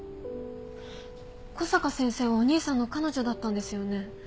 小坂先生はお兄さんの彼女だったんですよね？